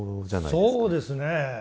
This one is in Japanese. そうですね。